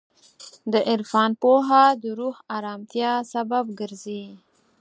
د عرفان پوهه د روح ارامتیا سبب ګرځي.